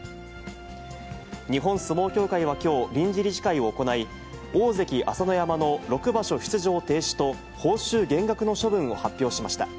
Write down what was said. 日本相撲協会はきょう、臨時理事会を行い、大関・朝乃山の６場所出場停止と、報酬減額の処分を発表しました。